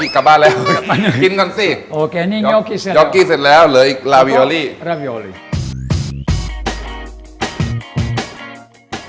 กลับบ้านแล้วกินก่อนสิเสร็จแล้วเหลืออีก